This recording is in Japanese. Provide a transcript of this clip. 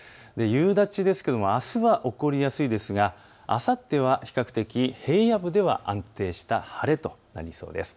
夕立ですがあすは起こりやすいですが、あさっては比較的、平野部では安定した晴れとなりそうです。